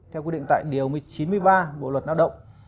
theo quy định tại điều chín mươi ba bộ luật lao động